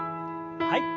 はい。